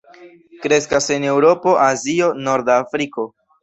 Kreskas en Eŭropo, Azio, norda Afriko.